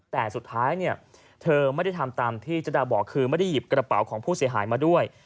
แต่สุดท้ายเนี่ยเธอไม่ได้ทำตามที่จดาบอกคือไม่ได้หยิบกระเป๋าของผู้เสียหายมาด้วย